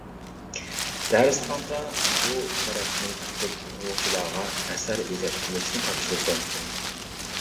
دەرسخانىدا بۇ تەرەپنى تۇتۇپ ئوقۇغۇچىلارغا ئەسەر ئىجاد قىلىشنى تاپشۇردۇم.